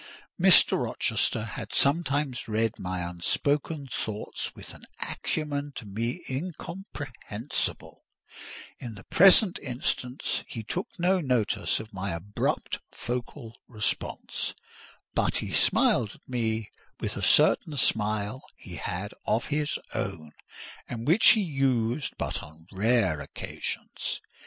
Mr. Rochester had sometimes read my unspoken thoughts with an acumen to me incomprehensible: in the present instance he took no notice of my abrupt vocal response; but he smiled at me with a certain smile he had of his own, and which he used but on rare occasions.